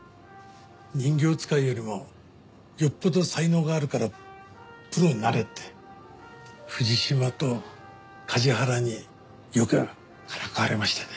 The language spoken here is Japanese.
人形遣いよりもよっぽど才能があるからプロになれって藤島と梶原によくからかわれましたね。